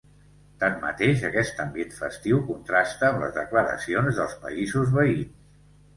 Tanmateix, aquest ambient festiu, contrasta amb les declaracions dels països veïns.